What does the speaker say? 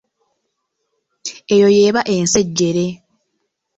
Eyo yeba ensejjere.